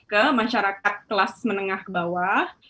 ke masyarakat kelas menengah ke bawah